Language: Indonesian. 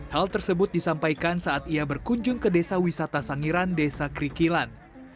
hal tersebut disampaikan saat ia berkunjung ke desa wisata sangiran desa kerikilan